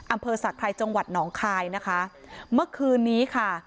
อำเภอศักดิ์ไทยจังหวัดหนองคายนะคะเมื่อคืนนี้ค่ะ